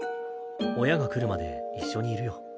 親が来るまで一緒にいるよ。